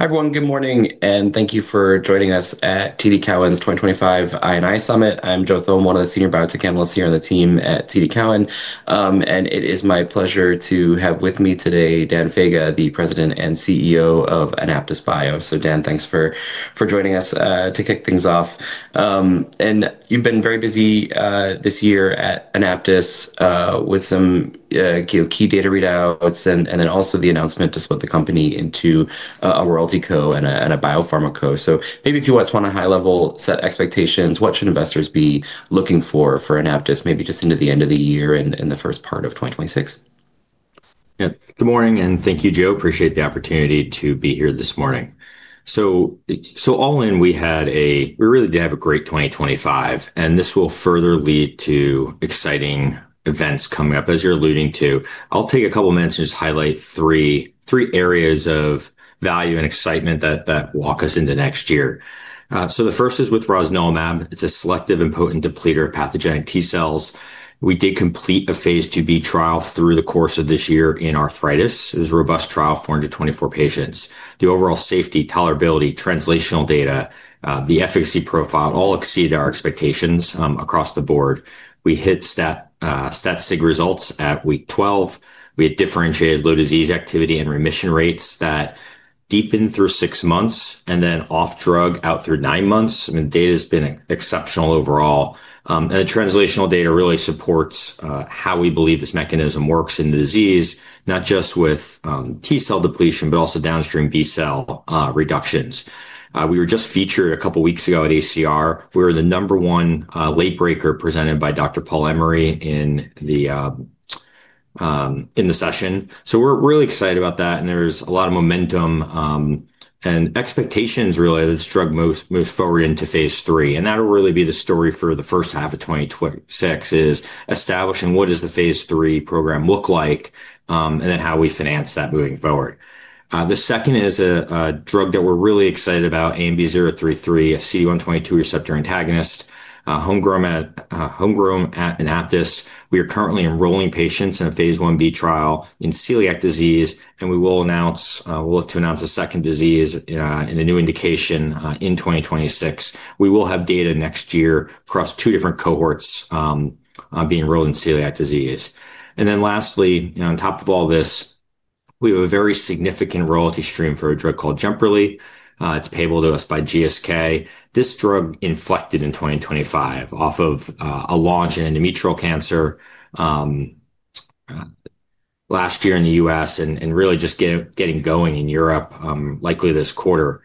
Hi everyone, good morning, and thank you for joining us at TD Cowen's 2025 I&I Summit. I'm Joe Tholm, one of the senior biotech analysts here on the team at TD Cowen, and it is my pleasure to have with me today Dan Faga, the President and CEO of AnaptysBio. Dan, thanks for joining us to kick things off. You've been very busy this year at Anaptys with some key data readouts and then also the announcement to split the company into a royalty co and a biopharma co. Maybe if you want to spot a high-level set of expectations, what should investors be looking for for Anaptys maybe just into the end of the year and in the first part of 2026? Yeah, good morning and thank you, Joe. Appreciate the opportunity to be here this morning. All in, we had a, we really did have a great 2025, and this will further lead to exciting events coming up, as you're alluding to. I'll take a couple of minutes and just highlight three areas of value and excitement that walk us into next year. The first is with Rosnilimab. It's a selective and potent depleter of pathogenic T cells. We did complete a phase II-B trial through the course of this year in arthritis. It was a robust trial of 424 patients. The overall safety, tolerability, translational data, the efficacy profile all exceeded our expectations across the board. We hit stat sig results at week 12. We had differentiated low disease activity and remission rates that deepened through six months and then off drug out through nine months. I mean, data has been exceptional overall. The translational data really supports how we believe this mechanism works in the disease, not just with T cell depletion, but also downstream B cell reductions. We were just featured a couple of weeks ago at ACR. We were the number one late breaker presented by Dr. Paul Emery in the session. We're really excited about that, and there's a lot of momentum and expectations really that this drug moves forward into phase III. That'll really be the story for the first half of 2026, establishing what does the phase III program look like and then how we finance that moving forward. The second is a drug that we're really excited about, ANB033, a CD122 receptor antagonist, homegrown at Anaptys. We are currently enrolling patients in a phase I-B trial in celiac disease, and we will announce, we'll look to announce a second disease in a new indication in 2026. We will have data next year across two different cohorts being enrolled in celiac disease. Lastly, on top of all this, we have a very significant royalty stream for a drug called Jemperli. It's payable to us by GSK. This drug inflected in 2025 off of a launch in endometrial cancer last year in the U.S. and really just getting going in Europe, likely this quarter.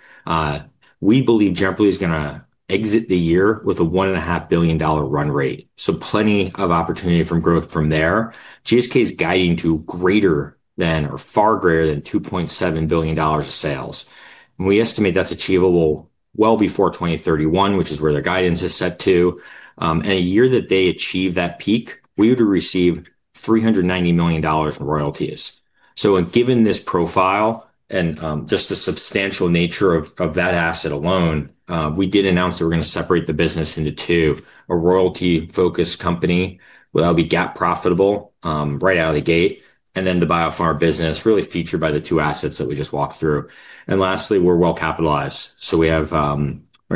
We believe Jemperli is going to exit the year with a $1.5 billion run rate. Plenty of opportunity from growth from there. GSK is guiding to greater than or far greater than $2.7 billion of sales. We estimate that's achievable well before 2031, which is where their guidance is set to. In a year that they achieve that peak, we would receive $390 million in royalties. Given this profile and just the substantial nature of that asset alone, we did announce that we're going to separate the business into two, a royalty-focused company that will be GAAP profitable right out of the gate, and then the biopharma business really featured by the two assets that we just walked through. Lastly, we're well capitalized. We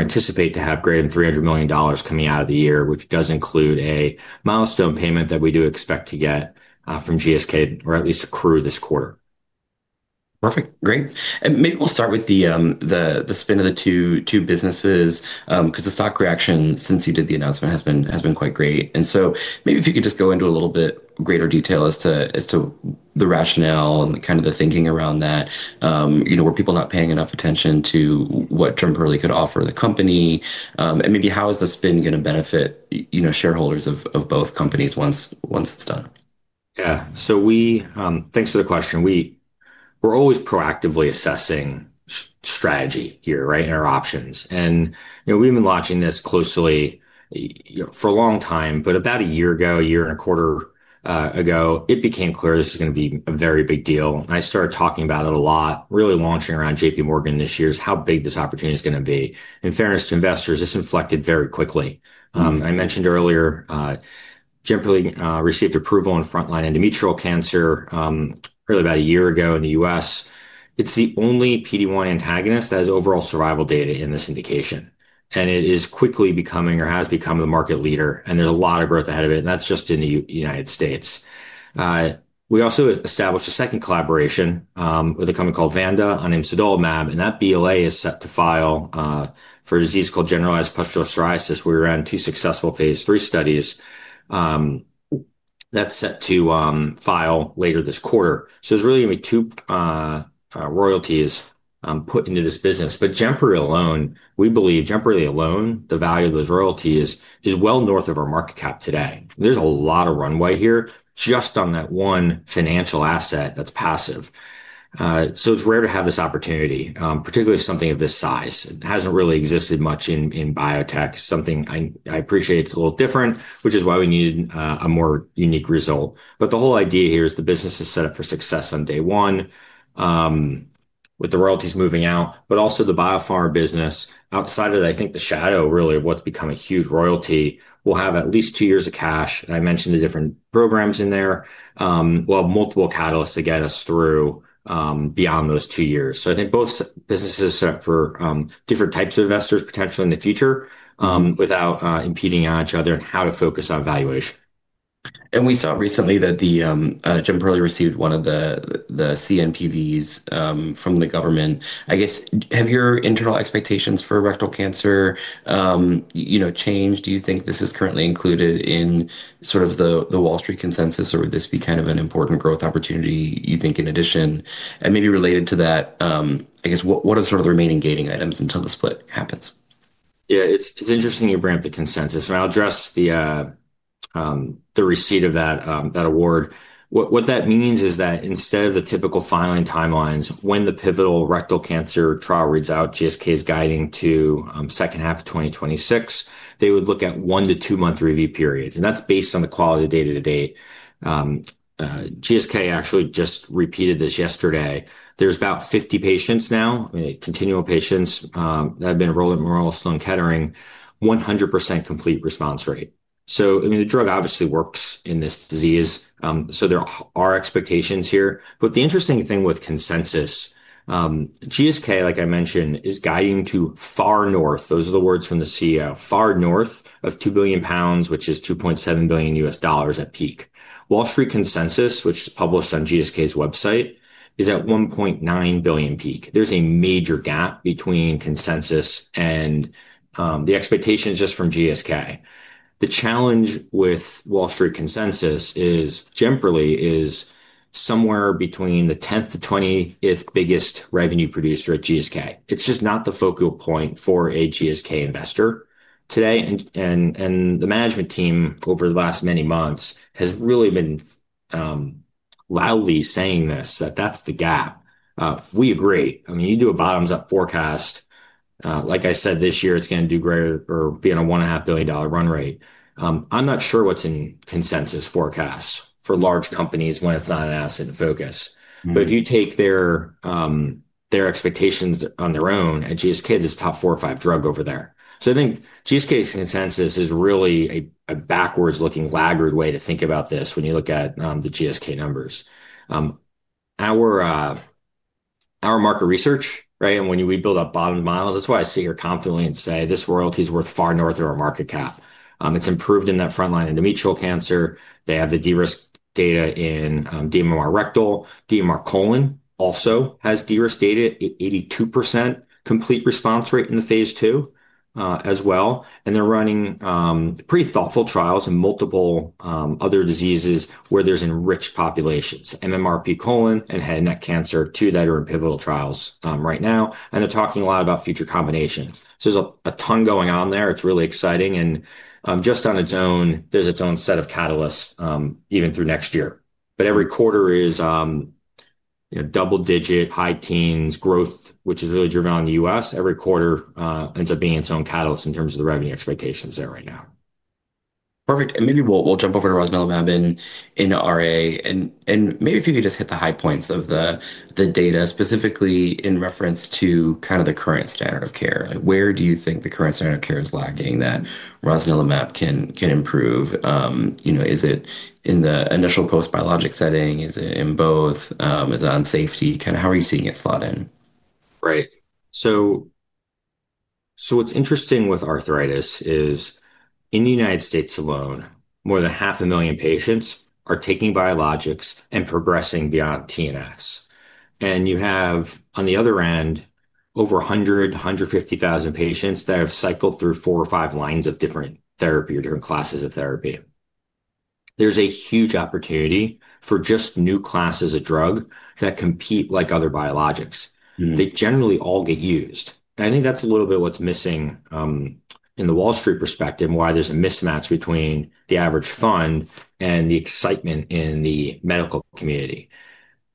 anticipate to have greater than $300 million coming out of the year, which does include a milestone payment that we do expect to get from GSK or at least accrue this quarter. Perfect. Great. Maybe we'll start with the spin of the two businesses because the stock reaction since you did the announcement has been quite great. Maybe if you could just go into a little bit greater detail as to the rationale and kind of the thinking around that, were people not paying enough attention to what Jemperli could offer the company? Maybe how is the spin going to benefit shareholders of both companies once it's done? Yeah, so we, thanks for the question. We're always proactively assessing strategy here, right, and our options. We've been watching this closely for a long time, but about a year ago, a year and a quarter ago, it became clear this was going to be a very big deal. I started talking about it a lot, really launching around JPMorgan this year is how big this opportunity is going to be. In fairness to investors, this inflected very quickly. I mentioned earlier, Jemperli received approval in frontline endometrial cancer really about a year ago in the U.S. It's the only PD-1 antagonist that has overall survival data in this indication. It is quickly becoming or has become the market leader. There's a lot of growth ahead of it. That's just in the United States. We also established a second collaboration with a company called Vanda on Imsidolimab. That BLA is set to file for a disease called generalized pustular psoriasis, where we ran two successful phase III studies that's set to file later this quarter. There is really going to be two royalties put into this business. Jemperli alone, we believe Jemperli alone, the value of those royalties is well north of our market cap today. There is a lot of runway here just on that one financial asset that's passive. It is rare to have this opportunity, particularly something of this size. It has not really existed much in biotech. Something I appreciate is a little different, which is why we needed a more unique result. The whole idea here is the business is set up for success on day one with the royalties moving out, but also the biopharma business outside of, I think, the shadow really of what's become a huge royalty will have at least two years of cash. I mentioned the different programs in there. Multiple catalysts to get us through beyond those two years. I think both businesses set up for different types of investors potentially in the future without impeding on each other and how to focus on valuation. We saw recently that Jemperli received one of the CNPVs from the government. I guess, have your internal expectations for rectal cancer changed? Do you think this is currently included in sort of the Wall Street consensus, or would this be kind of an important growth opportunity, you think, in addition? Maybe related to that, I guess, what are sort of the remaining gating items until the split happens? Yeah, it's interesting you bring up the consensus. I'll address the receipt of that award. What that means is that instead of the typical filing timelines, when the pivotal rectal cancer trial reads out, GSK is guiding to the second half of 2026, they would look at one to two-month review periods. That's based on the quality of data to date. GSK actually just repeated this yesterday. There's about 50 patients now, continual patients that have been enrolled at Memorial Sloan Kettering, 100% complete response rate. I mean, the drug obviously works in this disease. There are expectations here. The interesting thing with consensus, GSK, like I mentioned, is guiding to far north. Those are the words from the CEO, far north of 2 billion pounds, which is $2.7 billion at peak. Wall Street consensus, which is published on GSK's website, is at $1.9 billion peak. There's a major gap between consensus and the expectations just from GSK. The challenge with Wall Street consensus is Jemperli is somewhere between the 10th-20th biggest revenue producer at GSK. It's just not the focal point for a GSK investor today. The management team over the last many months has really been loudly saying this, that that's the gap. We agree. I mean, you do a bottoms-up forecast. Like I said, this year, it's going to do greater or be on a $1.5 billion run rate. I'm not sure what's in consensus forecasts for large companies when it's not an asset in focus. If you take their expectations on their own, and GSK is the top four or five drug over there. I think GSK's consensus is really a backwards-looking, laggered way to think about this when you look at the GSK numbers. Our market research, right, and when we build up bottom miles, that's why I sit here confidently and say this royalty is worth far north of our market cap. It's improved in that frontline endometrial cancer. They have the DRISC data in dMMR rectal. dMMR colon also has DRISC data, 82% complete response rate in the phase II as well. They're running pretty thoughtful trials in multiple other diseases where there's enriched populations, MMRp colon and head and neck cancer, two that are in pivotal trials right now. They're talking a lot about future combinations. There's a ton going on there. It's really exciting. Just on its own, there's its own set of catalysts even through next year. Every quarter is double-digit, high teens, growth, which is really driven on the U.S. Every quarter ends up being its own catalyst in terms of the revenue expectations there right now. Perfect. Maybe we'll jump over to rosnilimab in RA. Maybe if you could just hit the high points of the data, specifically in reference to kind of the current standard of care. Where do you think the current standard of care is lagging that rosnilimab can improve? Is it in the initial post-biologic setting? Is it in both? Is it on safety? Kind of how are you seeing it slot in? Right. What's interesting with arthritis is in the U.S. alone, more than 500,000 patients are taking biologics and progressing beyond TNFs. You have, on the other end, over 100,000-150,000 patients that have cycled through four or five lines of different therapy or different classes of therapy. There's a huge opportunity for just new classes of drug that compete like other biologics. They generally all get used. I think that's a little bit what's missing in the Wall Street perspective, why there's a mismatch between the average fund and the excitement in the medical community.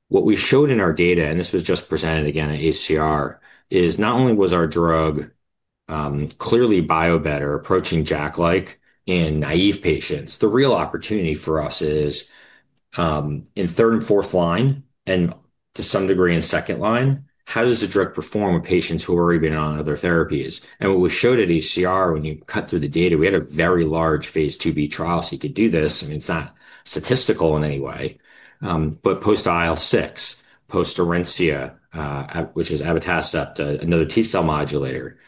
What we showed in our data, and this was just presented again at ACR, is not only was our drug clearly bio-better, approaching JAK-like in naive patients, the real opportunity for us is in third and fourth line and to some degree in second line, how does the drug perform with patients who have already been on other therapies? What we showed at ACR, when you cut through the data, we had a very large phase II-B trial so you could do this. I mean, it's not statistical in any way. Post-IL-6, post Orencia, which is abatacept, another T cell modulator,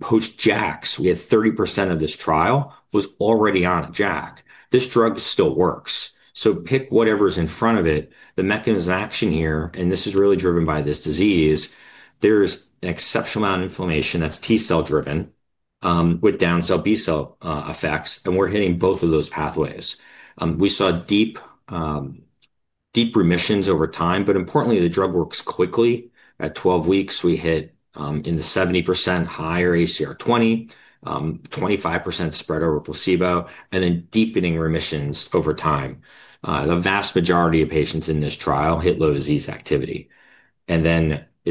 post-JAKs, we had 30% of this trial was already on a JAK. This drug still works. Pick whatever is in front of it, the mechanism of action here, and this is really driven by this disease, there is an exceptional amount of inflammation that is T cell driven with downstream B cell effects. We are hitting both of those pathways. We saw deep remissions over time, but importantly, the drug works quickly. At 12 weeks, we hit in the 70% higher ACR 20, 25% spread over placebo, and then deepening remissions over time. The vast majority of patients in this trial hit low disease activity. It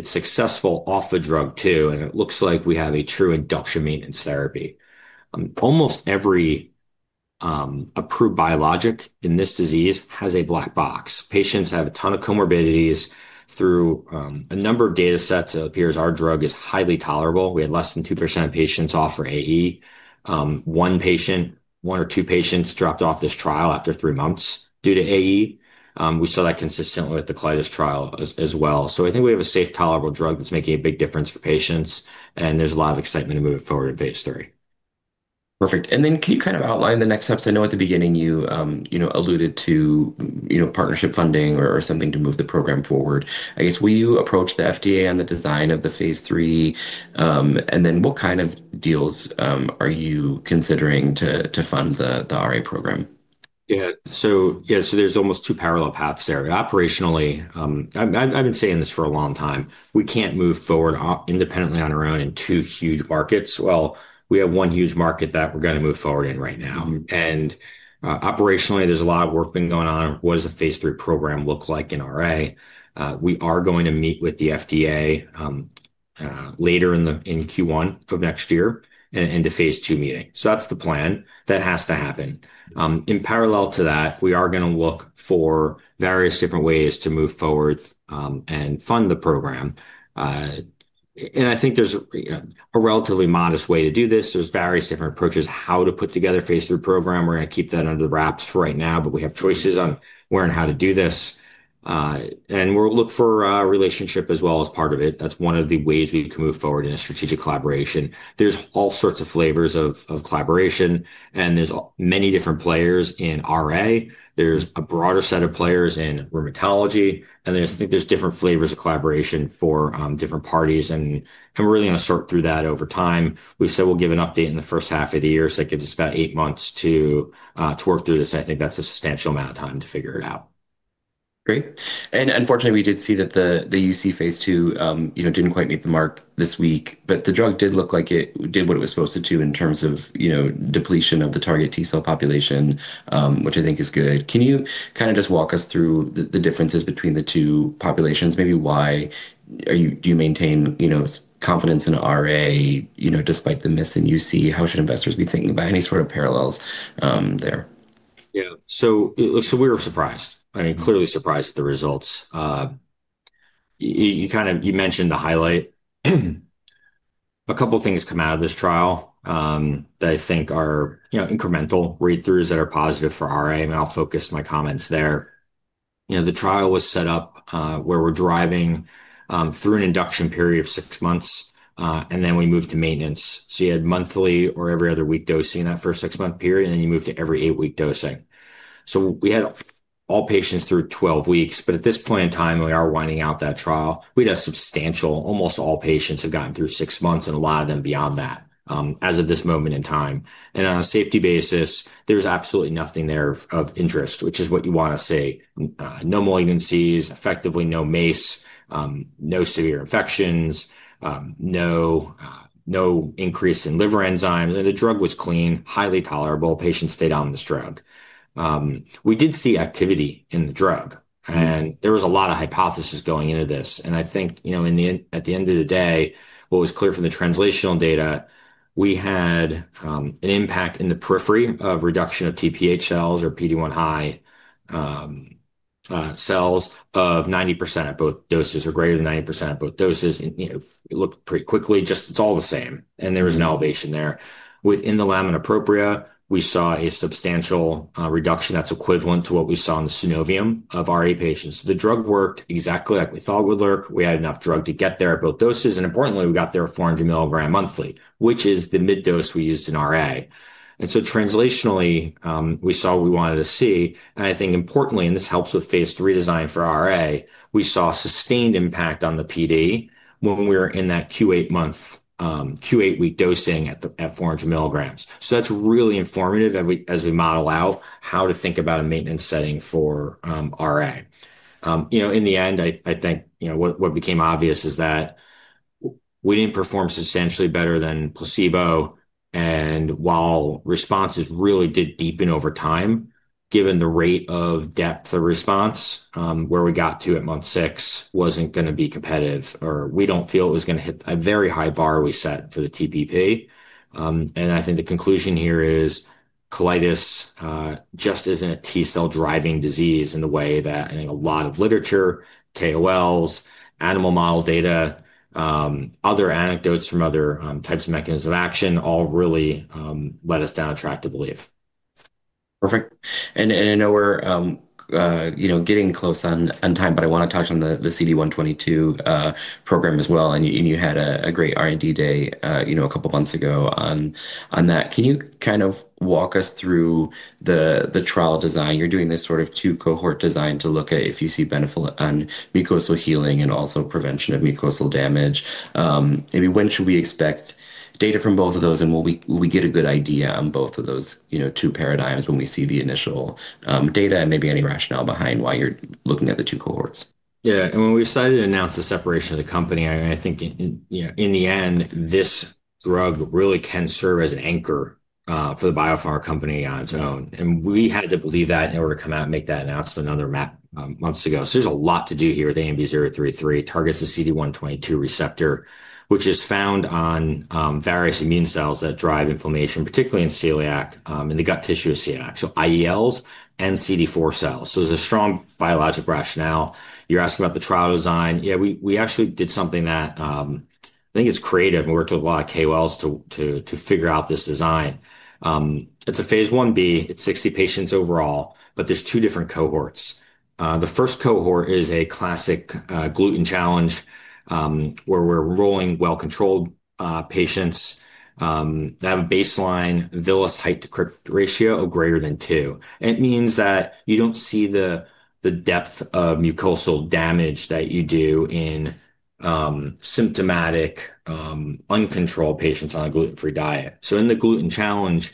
is successful off the drug too. It looks like we have a true induction maintenance therapy. Almost every approved biologic in this disease has a black box. Patients have a ton of comorbidities. Through a number of data sets, it appears our drug is highly tolerable. We had less than 2% of patients off for AE. One patient, one or two patients dropped off this trial after three months due to AE. We saw that consistently with the colitis trial as well. I think we have a safe, tolerable drug that's making a big difference for patients. There's a lot of excitement to move it forward in phase III. Perfect. Can you kind of outline the next steps? I know at the beginning you alluded to partnership funding or something to move the program forward. I guess, will you approach the FDA on the design of the phase III? What kind of deals are you considering to fund the RA program? Yeah. So there's almost two parallel paths there. Operationally, I've been saying this for a long time. We can't move forward independently on our own in two huge markets. We have one huge market that we're going to move forward in right now. Operationally, there's a lot of work being done. What does the phase III program look like in RA? We are going to meet with the FDA later in Q1 of next year and into phase II meeting. That's the plan. That has to happen. In parallel to that, we are going to look for various different ways to move forward and fund the program. I think there's a relatively modest way to do this. There are various different approaches how to put together a phase III program. We're going to keep that under wraps for right now, but we have choices on where and how to do this. We'll look for a relationship as well as part of it. That's one of the ways we can move forward in a strategic collaboration. There are all sorts of flavors of collaboration. There are many different players in RA. There is a broader set of players in rheumatology. I think there are different flavors of collaboration for different parties. We're really going to sort through that over time. We said we'll give an update in the first half of the year. That gives us about eight months to work through this. I think that's a substantial amount of time to figure it out. Great. Unfortunately, we did see that the UC phase II did not quite meet the mark this week. The drug did look like it did what it was supposed to do in terms of depletion of the target T cell population, which I think is good. Can you kind of just walk us through the differences between the two populations? Maybe why do you maintain confidence in RA despite the miss in UC? How should investors be thinking about any sort of parallels there? Yeah. We were surprised. I mean, clearly surprised at the results. You kind of mentioned the highlight. A couple of things come out of this trial that I think are incremental read-throughs that are positive for RA. I'll focus my comments there. The trial was set up where we're driving through an induction period of six months. We moved to maintenance. You had monthly or every other week dosing that first six-month period. You moved to every eight-week dosing. We had all patients through 12 weeks. At this point in time, we are winding out that trial. We had a substantial, almost all patients have gotten through six months and a lot of them beyond that as of this moment in time. On a safety basis, there's absolutely nothing there of interest, which is what you want to see. No malignancies, effectively no MACE, no severe infections, no increase in liver enzymes. The drug was clean, highly tolerable. Patients stayed on this drug. We did see activity in the drug. There was a lot of hypothesis going into this. I think at the end of the day, what was clear from the translational data, we had an impact in the periphery of reduction of TPH cells or PD-1 high cells of 90% at both doses or greater than 90% at both doses. It looked pretty quickly. Just it's all the same. There was an elevation there. Within the lamina propria, we saw a substantial reduction that's equivalent to what we saw in the synovium of RA patients. The drug worked exactly like we thought it would work. We had enough drug to get there at both doses. Importantly, we got there at 400 milligram monthly, which is the mid-dose we used in RA. Translationally, we saw what we wanted to see. I think importantly, and this helps with phase III design for RA, we saw sustained impact on the PD when we were in that Q8 week dosing at 400 mg. That is really informative as we model out how to think about a maintenance setting for RA. In the end, I think what became obvious is that we did not perform substantially better than placebo. While responses really did deepen over time, given the rate of depth of response, where we got to at month six was not going to be competitive. We do not feel it was going to hit a very high bar we set for the TPP. I think the conclusion here is colitis just isn't a T cell driving disease in the way that I think a lot of literature, KOLs, animal model data, other anecdotes from other types of mechanisms of action all really let us down a track to believe. Perfect. I know we're getting close on time, but I want to touch on the CD122 program as well. You had a great R&D day a couple of months ago on that. Can you kind of walk us through the trial design? You're doing this sort of two-cohort design to look at if you see benefit on mucosal healing and also prevention of mucosal damage. Maybe when should we expect data from both of those? Will we get a good idea on both of those two paradigms when we see the initial data and maybe any rationale behind why you're looking at the two cohorts? Yeah. When we decided to announce the separation of the company, I think in the end, this drug really can serve as an anchor for the BioPharma company on its own. We had to believe that in order to come out and make that announcement another months ago. There is a lot to do here with ANB033, targets the CD122 receptor, which is found on various immune cells that drive inflammation, particularly in celiac and the gut tissue of celiac. IELs and CD4 cells. There is a strong biologic rationale. You're asking about the trial design. Yeah, we actually did something that I think is creative. We worked with a lot of KOLs to figure out this design. It is a phase I-B. It is 60 patients overall, but there are two different cohorts. The first cohort is a classic gluten challenge where we're enrolling well-controlled patients that have a baseline villus height to crypt ratio of greater than two. It means that you don't see the depth of mucosal damage that you do in symptomatic, uncontrolled patients on a gluten-free diet. In the gluten challenge,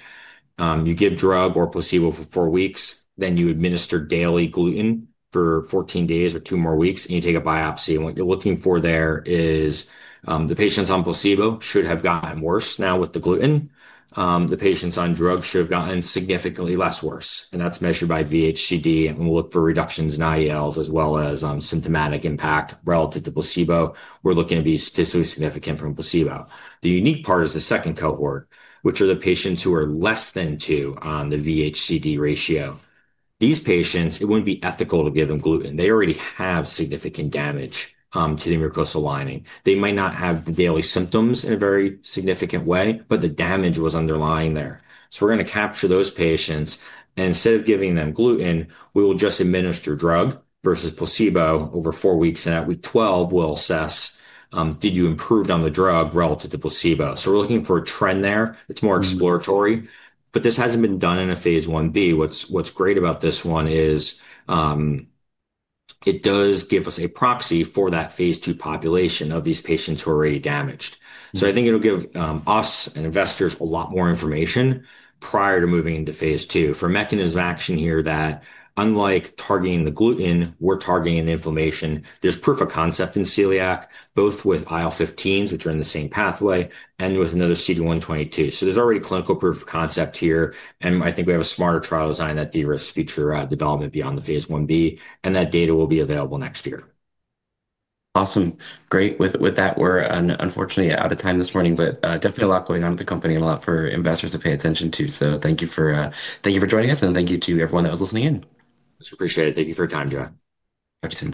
you give drug or placebo for four weeks, then you administer daily gluten for 14 days or two more weeks, and you take a biopsy. What you're looking for there is the patients on placebo should have gotten worse now with the gluten. The patients on drug should have gotten significantly less worse. That's measured by VHCD. We'll look for reductions in IELs as well as symptomatic impact relative to placebo. We're looking to be statistically significant from placebo. The unique part is the second cohort, which are the patients who are less than two on the VHCD ratio. These patients, it wouldn't be ethical to give them gluten. They already have significant damage to the mucosal lining. They might not have the daily symptoms in a very significant way, but the damage was underlying there. We're going to capture those patients. Instead of giving them gluten, we will just administer drug versus placebo over four weeks. At week 12, we'll assess, did you improve on the drug relative to placebo? We're looking for a trend there. It's more exploratory. This hasn't been done in a phase I-B. What's great about this one is it does give us a proxy for that phase II population of these patients who are already damaged. I think it'll give us and investors a lot more information prior to moving into phase II. For mechanism of action here that unlike targeting the gluten, we're targeting the inflammation. There's proof of concept in celiac, both with IL-15s, which are in the same pathway, and with another CD122. There's already clinical proof of concept here. I think we have a smarter trial design that de-risk future development beyond the phase I-B. That data will be available next year. Awesome. Great. With that, we're unfortunately out of time this morning, but definitely a lot going on at the company and a lot for investors to pay attention to. Thank you for joining us. Thank you to everyone that was listening in. Appreciate it. Thank you for your time, Joe. Happy to.